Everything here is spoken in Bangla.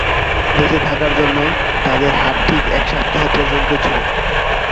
বেঁচে থাকার জন্য তাদের হাতে ঠিক এক সপ্তাহ ছিল।